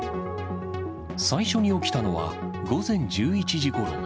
最初に起きたのは、午前１１時ごろ。